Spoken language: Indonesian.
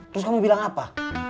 terus kamu bilang apa